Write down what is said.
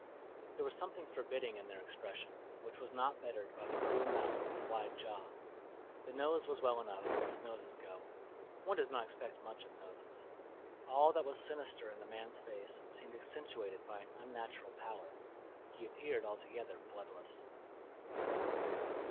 There was something forbidding in their expression, which was not bettered by the cruel mouth and wide jaw. The nose was well enough, as noses go; one does not expect much of noses. All that was sinister in the man's face seemed accentuated by an unnatural pallor he appeared altogether bloodless.